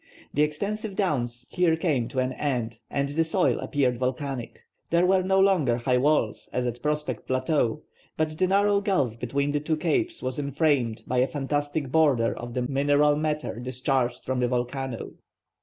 The extensive downs here came to an end and the soil appeared volcanic. There were no longer high walls, as at Prospect Plateau, but the narrow gulf between the two capes was enframed by a fantastic border of the mineral matter discharged from the volcano.